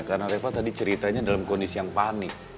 karena reva tadi ceritanya dalam kondisi yang panik